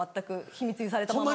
秘密にされたまま。